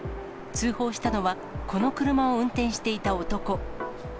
通報したのは、この車を運転していた男。